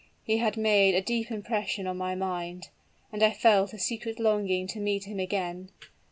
He had made a deep impression on my mind; and I felt a secret longing to meet him again.